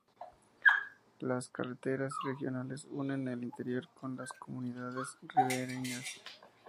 Las carreteras regionales unen el interior con las comunidades ribereñas.